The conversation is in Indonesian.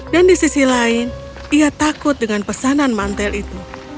dan di sisi lain ia takut dengan pesanan mantel itu